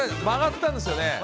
曲がったんですよね。